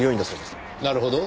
なるほど。